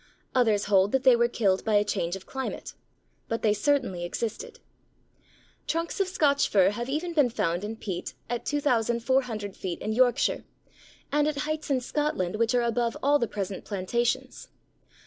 Others hold that they were killed by a change of climate. But they certainly existed. Trunks of Scotch Fir have even been found in peat at 2400 feet in Yorkshire, and at heights in Scotland which are above all the present plantations.